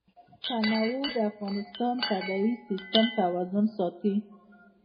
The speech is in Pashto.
تنوع د افغانستان د طبعي سیسټم توازن ساتي.